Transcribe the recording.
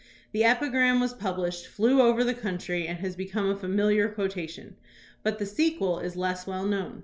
The epigram was published, flew over the country, and has become a familiar quotation. But the sequel is less well known.